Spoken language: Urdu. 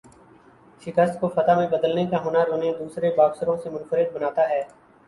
شکست کو فتح میں بدلنے کا ہنر انہیں دوسرے باکسروں سے منفرد بناتا ہے